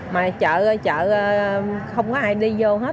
mà chợ không có ai đi vô hết